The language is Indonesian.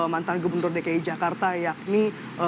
mantan gubernur dki jakarta yakni